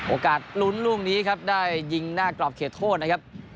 โอกาสลุ้นลูกนี้ครับได้ยิงหน้ากรอบเขตโทษนะครับ